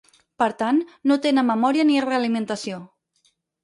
Per tant, no tenen memòria ni realimentació.